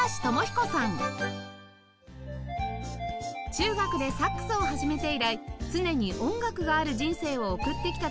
中学でサックスを始めて以来常に音楽がある人生を送ってきたという日下志さん